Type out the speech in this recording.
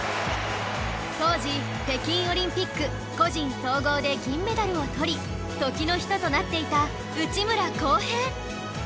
当時北京オリンピック個人総合で銀メダルをとり時の人となっていた内村航平